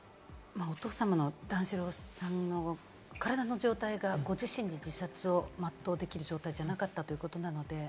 お父様の段四郎さんの体の状態が、ご自身が自殺を全うできる状態じゃなかったということなので。